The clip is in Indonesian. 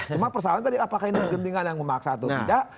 cuma persoalan tadi apakah ini kepentingan yang memaksa atau tidak